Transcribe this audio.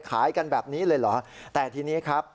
ขายกันแบบนี้เลยเหรอแต่ทีนี้ครับ